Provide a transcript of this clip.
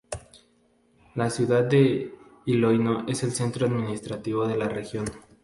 La ciudad de Iloílo es el centro administrativo de la región.